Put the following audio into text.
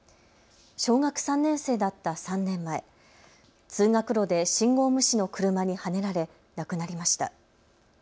小学３年生だった３年前、通学路で信号無視の車にはねられ亡くなりました。